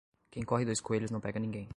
Quem corre dois coelhos não pega ninguém.